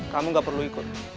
kamu nggak perlu ikut